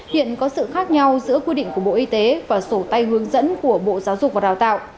hiện có sự khác nhau giữa quy định của bộ y tế và sổ tay hướng dẫn của bộ giáo dục và đào tạo